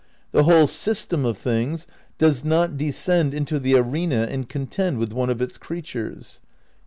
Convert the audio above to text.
The whole system of thing's does not descend into the arena and con tend with one of its creatures."